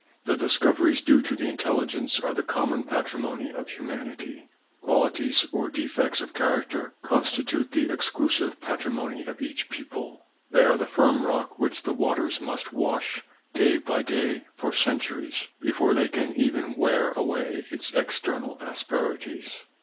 The scoveries due to the intelligence are the common patrimony of humanity ; qualities or defects of character constitute the exclusive patrimony of each people, they are the firm rock which the waters must h day by day for centuries before they can even r away its external asperities.